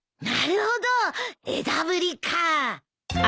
なるほど枝ぶりか。